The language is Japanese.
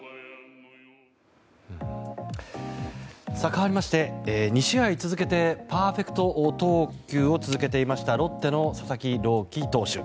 かわりまして２試合続けてパーフェクト投球を続けていましたロッテの佐々木朗希投手。